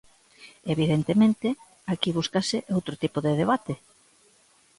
Evidentemente, aquí búscase outro tipo de debate.